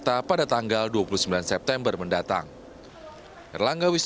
jadi bagaimana itu harus dilakukan